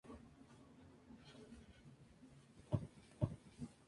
El río atrae turistas, en especial a entusiastas del kayak y del rafting.